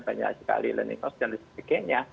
banyak sekali learning house dan sebagainya